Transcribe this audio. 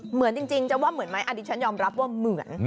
เหมือนจริงจะว่าเหมือนไหมอันนี้ฉันยอมรับว่าเหมือน